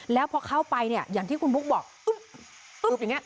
แล้วพอเข้าไปเนี่ยอย่างที่คุณปุ๊กบอกตุ๊บตุ๊บอย่างเงี้ย